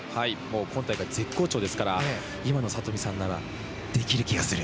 今大会、絶好調ですから今の聡美さんならできる気がする。